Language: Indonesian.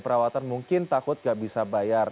di perawatan mungkin takut nggak bisa bayar